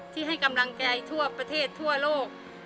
ที่ให้กำลังใจทั่วประเทศทั่วโลก